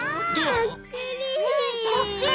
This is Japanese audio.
そっくり！